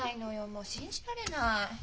もう信じられない。